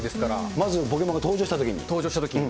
まずポケモンが登場したとき登場したときに。